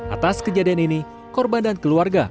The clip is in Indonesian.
atas kejadian ini korban dan keluarga